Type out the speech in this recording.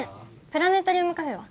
プラネタリウムカフェは？